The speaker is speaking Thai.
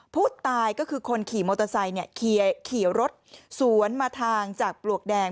ผู้ตายก็คือคนขี่มอเตอร์ไซค์ขี่รถสวนมาทางจากปลวกแดง